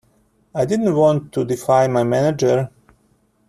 I didn't want to defy my manager.